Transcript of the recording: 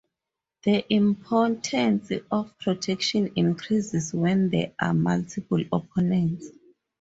The importance of protection increases when there are multiple opponents.